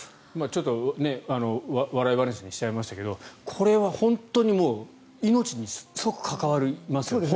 ちょっと笑い話にしちゃいましたけどこれは本当に命に即関わりますよね。